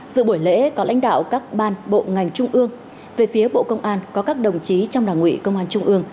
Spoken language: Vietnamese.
giữa buổi lễ có lãnh đạo các ban bộ ngành trung ương về phía bộ công an có các đồng chí trong đảng ủy công an trung ương